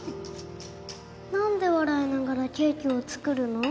何で笑いながらケーキを作るの？